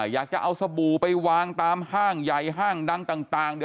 อยากจะเอาสบู่ไปวางตามห้างใหญ่ห้างดังต่าง